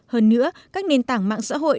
hơn nữa các nền tảng mạng xã hội